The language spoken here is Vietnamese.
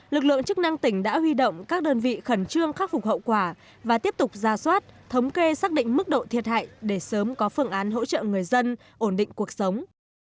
lực lượng chức năng tỉnh đã huy động các đơn vị khẩn trương khắc phục hậu quả và tiếp tục ra soát thống kê xác định mức độ thiệt hại để sớm có phương án hỗ trợ người dân ổn định cuộc sống